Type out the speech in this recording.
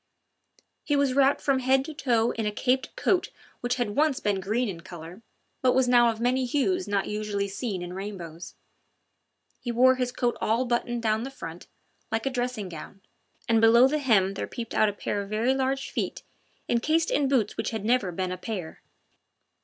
He was wrapped from head to foot in a caped coat which had once been green in colour, but was now of many hues not usually seen in rainbows. He wore his coat all buttoned down the front, like a dressing gown, and below the hem there peeped out a pair of very large feet encased in boots which had never been a pair.